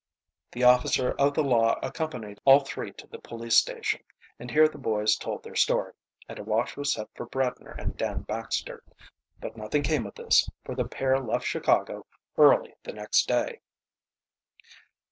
The officer of the law accompanied all three to the police station, and here the boys told their story, and a watch was set for Bradner and Dan Baxter. But nothing came of this, for the pair left Chicago early the next day.